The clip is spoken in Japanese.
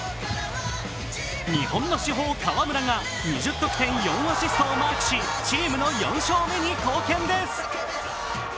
日本の至宝・河村が２０得点４アシストをマークしチームの４勝目に貢献です。